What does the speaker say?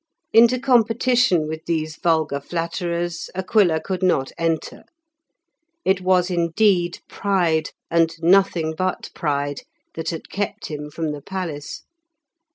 Into competition with these vulgar flatterers Aquila could not enter. It was indeed pride, and nothing but pride, that had kept him from the palace.